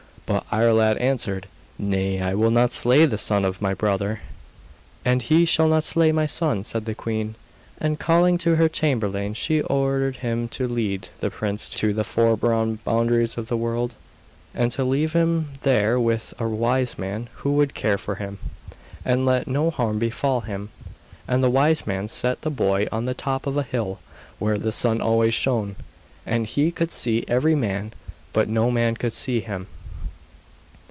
But Iarlaid answered: 'Nay, I will not slay the son of my brother.' 'And he shall not slay my son,' said the queen. And calling to her chamberlain she ordered him to lead the prince to the four brown boundaries of the world, and to leave him there with a wise man, who would care for him, and let no harm befall him. And the wise man set the boy on the top of a hill where the sun always shone, and he could see every man, but no man could see him.